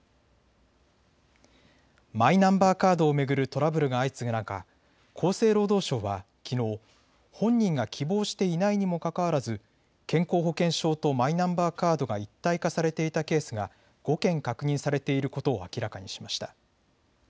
マイナンバーカードを巡るトラブルが相次ぐ中、厚生労働省はきのう、本人が希望していないにもかかわらず健康保険証とマイナンバーカードが一体化されていたケースが５件確認されていることを明らかにしました。